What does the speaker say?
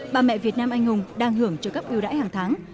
bà mẹ việt nam anh hùng đang hưởng trợ cấp yêu đãi hàng tháng